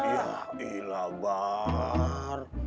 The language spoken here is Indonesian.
ya ilah bar